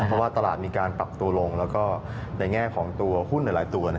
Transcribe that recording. เพราะว่าตลาดมีการปรับตัวลงแล้วก็ในแง่ของตัวหุ้นหลายตัว